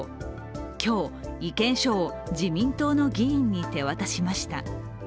今日、意見書を自民党の議員に手渡しました。